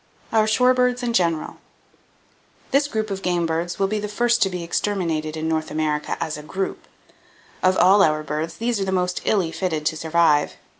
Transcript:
Our Shore Birds In General. —This group of game birds will be the first to be exterminated in North America as a group. Of all our birds, these are the most illy fitted to survive.